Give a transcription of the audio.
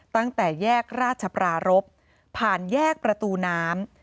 ตั้งแต่แยกราชปรารบผ่านแยกประตูน้ำ